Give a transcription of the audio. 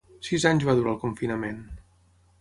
Sis anys va durar el confinament.